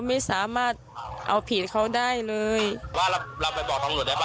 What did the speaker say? ไม่สามารถเอาผิดเขาได้เลยว่าเราเราไปบอกตำรวจได้ป่